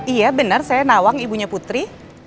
iya benar saya nawang ibunya putri